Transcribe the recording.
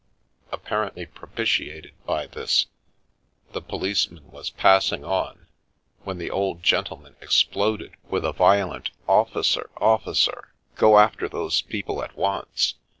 Apparently propitiated by this, the policeman was pass ing on, when the old gentleman exploded with a violent 219 The Milky Way " Officer, officer ! Go after those people at once